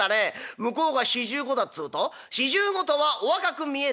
向こうが４５だっつうと『４５とはお若く見える。